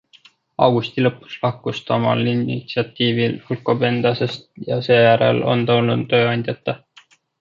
Augusti lõpus lahkus ta omal initsiatiivil Alcobendasest ja seejärel on ta olnud tööandjata.